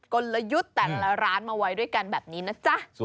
กลยุทธ์แต่ละร้านมาไว้ด้วยกันแบบนี้นะจ๊ะ